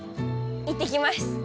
いってきます！